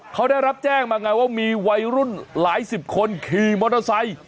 เขาได้รับแจ้งมาไงว่ามีวัยรุ่นหลายสิบคนขี่มอเตอร์ไซค์